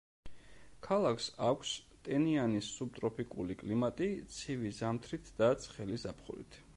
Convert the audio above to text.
ქალაქს აქვს ტენიანი სუბტროპიკული კლიმატი ცივი ზამთრით და ცხელი ზაფხულით.